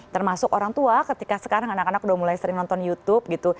termasuk orang tua ketika sekarang anak anak udah mulai sering nonton youtube gitu